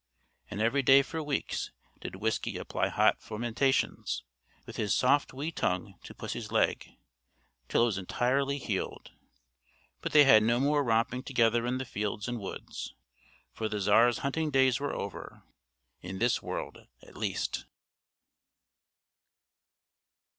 And every day for weeks did Whiskey apply hot fomentations, with his soft wee tongue to pussy's leg, till it was entirely healed. But they had no more romping together in the fields and woods, for the Czar's hunting days were over in this world at least.